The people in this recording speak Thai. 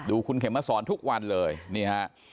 ดูคุณเข็มมาสอนทุกวันเลย